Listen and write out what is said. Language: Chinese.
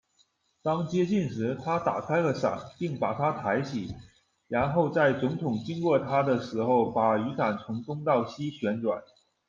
当接近时，他打开了伞并把它抬起，然后在总统经过他的时候把雨伞从东到西旋转。